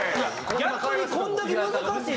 逆にこれだけ難しい。